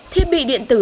thiết bị điện tử